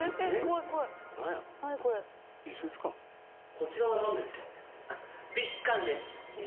こちらはなんですか？